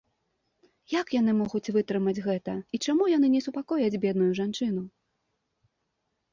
Як яны могуць вытрымаць гэта і чаму яны не супакояць бедную жанчыну?